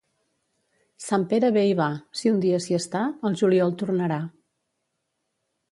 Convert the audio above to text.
Sant Pere ve i va, si un dia s'hi està, el juliol tornarà.